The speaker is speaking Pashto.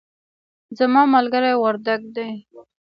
زما ملګری وردګ دی